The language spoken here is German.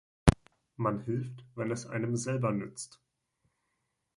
Man hilft, wenn es einem selber nützt.